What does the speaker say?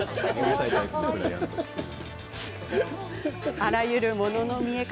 あらゆるものの見え方